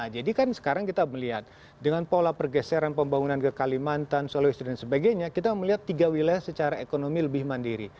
jadi kan sekarang kita melihat dengan pola pergeseran pembangunan ke kalimantan sulawesi dan sebagainya kita melihat tiga wilayah secara ekonomi lebih mandiri